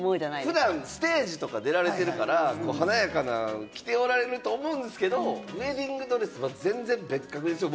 普段ステージとか出られてるから、華やかなの着ておられると思うんですけれども、ウエディングドレスは全然別格ですよ。